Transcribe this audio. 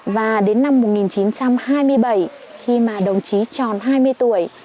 và đến năm một nghìn chín trăm hai mươi bảy khi mà đồng chí tròn hai mươi tuổi